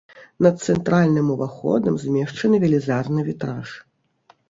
Над цэнтральным уваходам змешчаны велізарны вітраж.